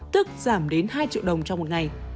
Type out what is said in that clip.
tức giảm đến hai triệu đồng trong một ngày